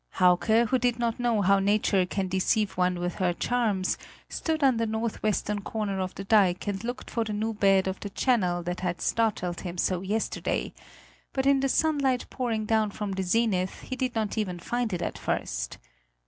Hauke, who did not know how nature can deceive one with her charms, stood on the northwestern corner of the dike and looked for the new bed of the channel that had startled him so yesterday, but in the sunlight pouring down from the zenith, he did not even find it at first.